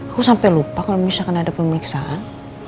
aku sampe lupa kalo misalkan ada pemeriksaan